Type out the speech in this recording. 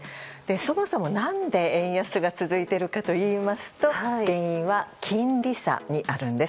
そもそも何で円安が続いてるかといいますと原因は金利差にあるんです。